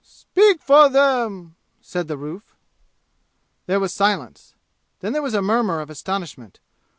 "Speak for them?" said the roof. There was silence. Then there was a murmur of astonishment.